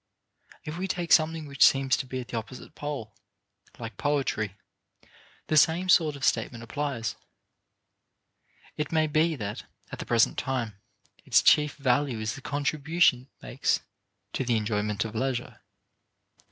If we take something which seems to be at the opposite pole, like poetry, the same sort of statement applies. It may be that, at the present time, its chief value is the contribution it makes to the enjoyment of leisure.